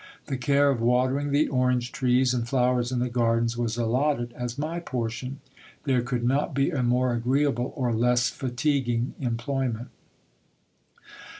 The care of watering the orange trees and flowers in the gardens was allotted as my portion. There could not be a more agreeable or less fatiguing employment.